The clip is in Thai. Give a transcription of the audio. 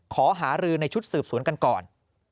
ขอหารือในชุดสืบสวนกันก่อน